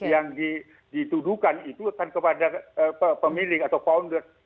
yang dituduhkan itu kan kepada pemilik atau founder